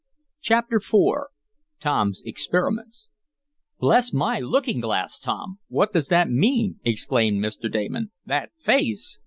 Chapter IV Tom's Experiments "Bless my looking glass, Tom, what does that mean?" exclaimed Mr. Damon. "That face!"